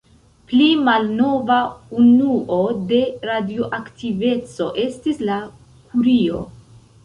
Pli malnova unuo de radioaktiveco estis la kurio.